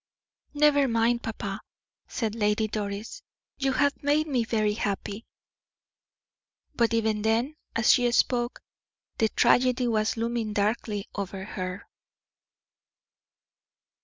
"Never mind, papa," said Lady Doris, "you have made me happy." But even then, as she spoke, the tragedy was looming darkly over her.